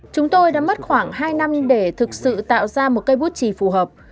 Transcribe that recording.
chúng tôi đã mất khoảng hai năm để thực sự tạo ra một cây bút trì phù hợp